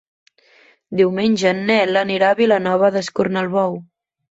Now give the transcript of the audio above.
Diumenge en Nel anirà a Vilanova d'Escornalbou.